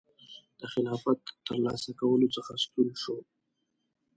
د خلافت ترلاسه کولو څخه ستون شو.